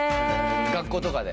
学校とかで。